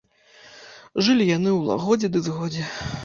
Жылі яны ў лагодзе ды згодзе.